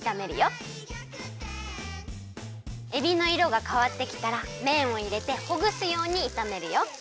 「大ぎゃくてん」えびのいろがかわってきたらめんをいれてほぐすようにいためるよ。